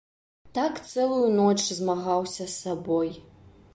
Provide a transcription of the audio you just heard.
Так цэлую ноч змагаўся з сабой.